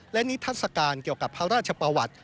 และนิทัศกาลเกี่ยวกับพระราชประวัติ